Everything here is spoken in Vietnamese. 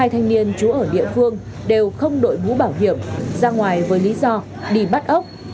hai thanh niên trú ở địa phương đều không đội bú bảo hiểm ra ngoài với lý do đi bắt ốc